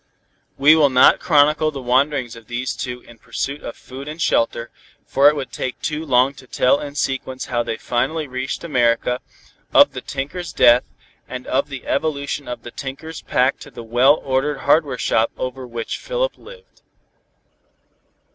We will not chronicle the wanderings of these two in pursuit of food and shelter, for it would take too long to tell in sequence how they finally reached America, of the tinker's death, and of the evolution of the tinker's pack to the well ordered hardware shop over which Philip lived.